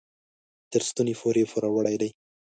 تر ستوني پورې پوروړي دي.